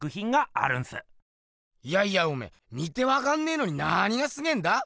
いやいやおめぇ見てわかんねぇのに何がすげぇんだ？